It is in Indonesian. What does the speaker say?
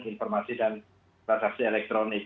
informasi dan transaksi elektronik